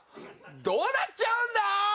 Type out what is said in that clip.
どうなっちゃうんだ！？